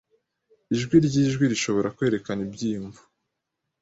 Ijwi ryijwi rishobora kwerekana ibyiyumvo.